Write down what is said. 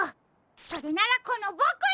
それならこのボクに！